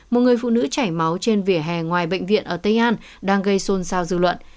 một người phụ nữ chảy máu trên vỉa hè ngoài bệnh viện ở tây an đang gây xôn xao dư luận